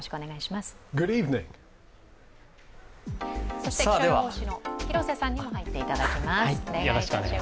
そして気象予報士の広瀬さんにも入っていただきます。